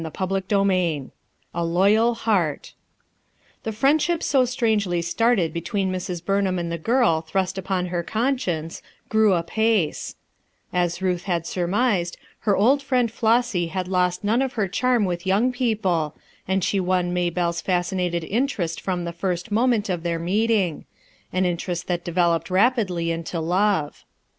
CHAPTER XXII A LOYAL HEART nrVBB friendship so strangely started between J Mrs. Burnham and the girl tlirust upon her conscience, grew apace As Ruth had surmised, her old friend Flossy had lost noue of her charm with young people, and she won Maybelle's fascinated interest from the first moment of their meeting; an interest that developed rapidly into love.